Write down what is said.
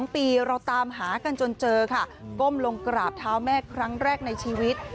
๒ปีเราตามหากันจนเจอค่ะก้มลงกราบเท้าแม่ครั้งแรกในชีวิต